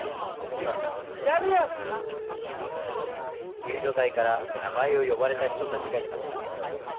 救助隊から名前を呼ばれた人たちがいました。